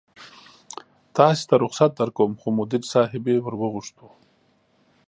تاسې ته رخصت درکوم، خو مدیر صاحبې ور وغوښتو.